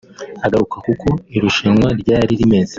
Agaruka kuko irushanwa ryari rimeze